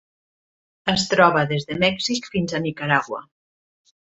Es troba des de Mèxic fins a Nicaragua.